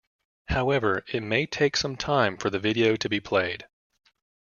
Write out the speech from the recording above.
However, it may take some time for the video to be played.